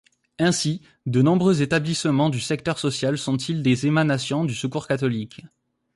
Ainsi, de nombreux établissements du secteur social sont-ils des émanations du Secours catholique.